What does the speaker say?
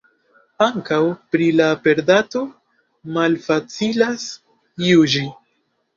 Ankaŭ pri la aperdato malfacilas juĝi.